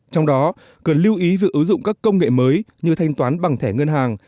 trong đó cần lưu ý việc ứng dụng các công nghệ mới như thanh toán bằng thẻ ngân hàng